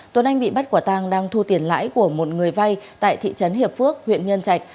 tuấn anh bị bắt quả tàng đang thu tiền lãi của một người vay tại thị trấn hiệp phước huyện nhân trạch